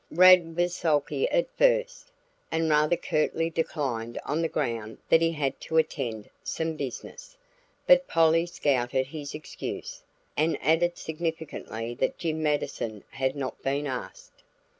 Rad was sulky at first, and rather curtly declined on the ground that he had to attend to some business. But Polly scouted his excuse, and added significantly that Jim Mattison had not been asked.